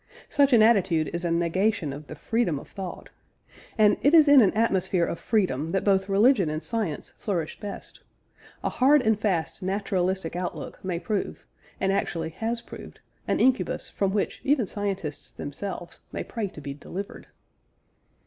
Such an attitude is a negation of the freedom of thought. And it is in an atmosphere of freedom that both religion and science flourish best. A hard and fast naturalistic outlook may prove, and actually has proved, an incubus from which even scientists themselves may pray to be delivered.